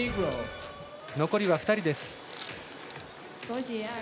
残りは２人です。